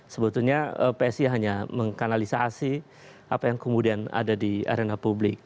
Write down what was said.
sebetulnya psi hanya mengkanalisasi apa yang kemudian ada di arena publik